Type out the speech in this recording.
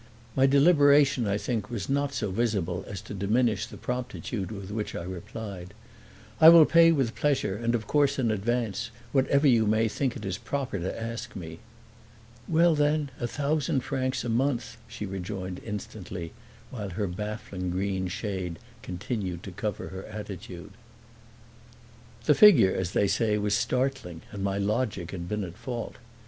My deliberation, I think, was not so visible as to diminish the promptitude with which I replied, "I will pay with pleasure and of course in advance whatever you may think is proper to ask me." "Well then, a thousand francs a month," she rejoined instantly, while her baffling green shade continued to cover her attitude. The figure, as they say, was startling and my logic had been at fault.